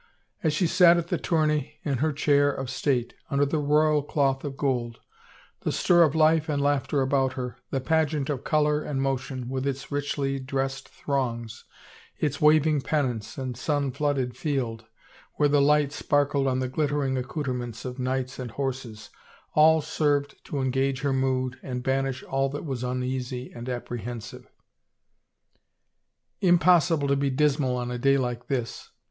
As she sat at the tourney in her chair of state, under the royal cloth of gold, the stir of life and laughter about her, the pageant of color and motion, with its richly dressed throngs, its waving pennants and sun flooded field where the light sparkled on the glitter ing accouterments of knights and horses, all served to engage her mood and banish all that was uneasy and apprehensive. Impossible to be dismal on a day like this